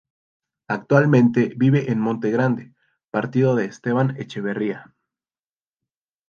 Actualmente vive en Monte Grande, Partido de Esteban Echeverría.